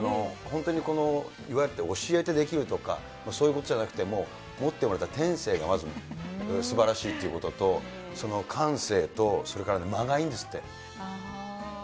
本当に、このいわゆる教えてできるとか、そういうことじゃなくて、もう、持って生まれた天性がまずすばらしいということと、その感性とそれからね、間がいいんですって。